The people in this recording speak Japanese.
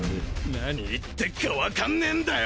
なに言ってっかわかんねぇんだよ！